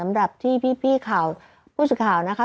สำหรับที่พี่ผู้สื่อข่าวนะคะ